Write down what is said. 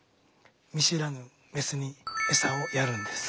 見知らぬメスにエサをやるんです。